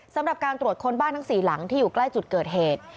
สำหรับการตรวจค้นบ้านทั้ง๔หลังที่อยู่ใกล้จุดเกิดเหตุ